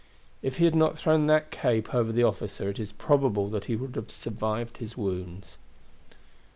If he had not thrown that cape over the officer it is probable that he would have survived his wounds.